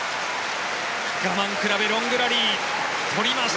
我慢比べ、ロングラリー取りました。